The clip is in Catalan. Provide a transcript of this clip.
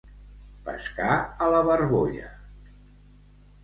Pescar a la barbolla.